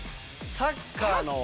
サッカーの。